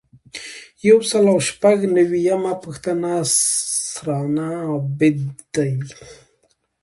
یو سل او شپږ نوي یمه پوښتنه سرانه عاید دی.